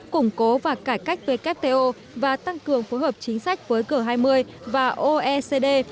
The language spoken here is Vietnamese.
củng cố và cải cách vkto và tăng cường phối hợp chính sách với cửa hai mươi và oecd